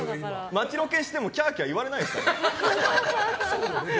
街ロケしてもキャーキャー言われないですから。